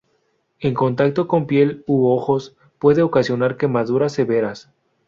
En contacto con piel u ojos puede ocasionar quemaduras severas.